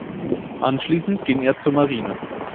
Anschließend ging er zur Marine.